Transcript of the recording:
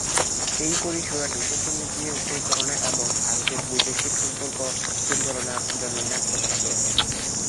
এই পরিষেবাটি কূটনীতি পরিচালনা এবং ভারতের বৈদেশিক সম্পর্ক পরিচালনার জন্য ন্যস্ত করা হয়েছে।